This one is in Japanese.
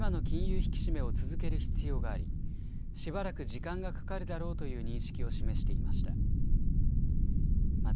引き締めを続ける必要がありしばらく時間がかかるだろうという認識を示していました。